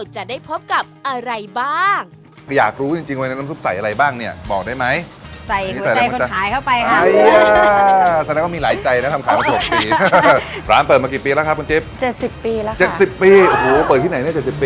เจ็บสิบปีแล้วค่ะเจ็บสิบปีโอ้โหเปิดที่ไหนเนี่ยเจ็บสิบปี